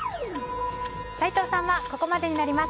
齋藤さんはここまでになります。